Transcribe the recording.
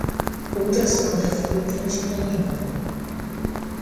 ultrassonografia transcraniana